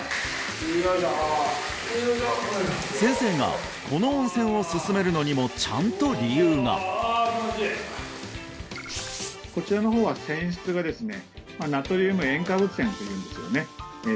よいしょよいしょ先生がこの温泉をすすめるのにもちゃんと理由がこちらの方はというんですよね